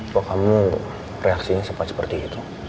bahwa kamu reaksinya sempat seperti itu